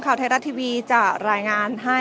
เมื่อเวลาอันดับสุดท้ายเมื่อเวลาอันดับสุดท้าย